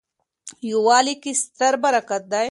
یووالي کي ستر برکت دی.